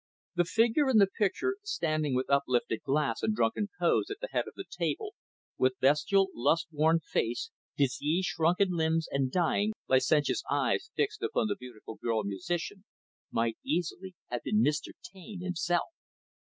The figure in the picture, standing with uplifted glass and drunken pose at the head of the table with bestial, lust worn face, disease shrunken limbs, and dying, licentious eyes fixed upon the beautiful girl musician might easily have been Mr. Taine himself.